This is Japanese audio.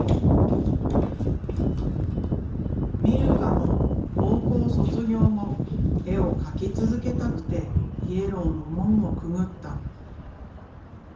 ミルカも高校卒業後絵を描き続けたくてＹＥＬＬＯＷの門をくぐった。